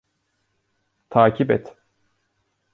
Takip et!